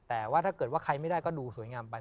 แต่ว่าถ้าเกิดว่าใครไม่ได้ก็ดูสวยงามไป